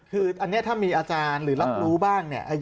คืออันนี้ถ้ามีอาจารย์หรือรับรู้บ้างเนี่ย